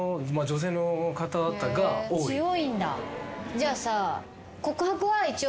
じゃあさ。